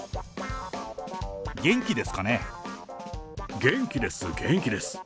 元気です、元気です。